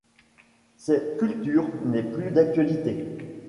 Cette culture n'est plus d'actualité.